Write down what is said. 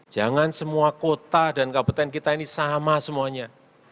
jangan semua kota dan kabupaten kita ini sama semuanya